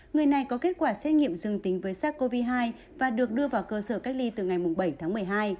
người này có kết quả xét nghiệm dương tính với sars cov hai và được đưa vào cơ sở cách ly từ ngày bảy tháng một mươi hai